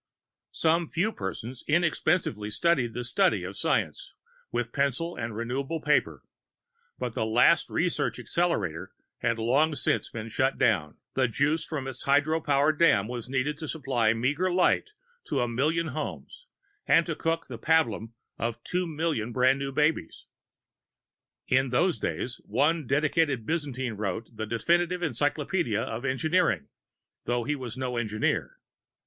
Some few persons inexpensively studied the study of science with pencil and renewable paper, but the last research accelerator had long since been shut down. The juice from its hydro power dam was needed to supply meager light to a million homes and to cook the pablum for two million brand new babies. In those days, one dedicated Byzantine wrote the definitive encyclopedia of engineering (though he was no engineer).